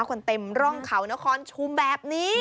คนเต็มร่องเขานครชุมแบบนี้